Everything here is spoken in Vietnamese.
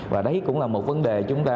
và đấy cũng là một vấn đề chúng ta